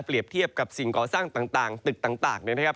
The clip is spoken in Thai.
เปรียบเทียบกับสิ่งก่อสร้างต่างตึกต่างเนี่ยนะครับ